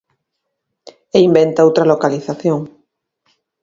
E inventa outra localización.